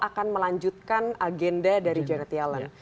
akan melanjutkan agenda dari janet yellen